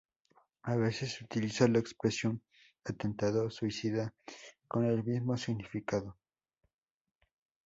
A veces se utiliza la expresión atentado suicida con el mismo significado.